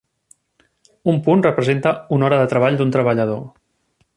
Un punt representa una hora de treball d'un treballador.